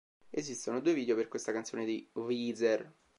Esistono due video per questa canzone dei Weezer.